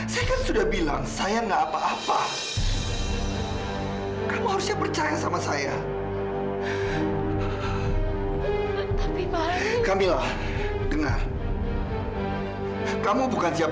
sampai jumpa di video selanjutnya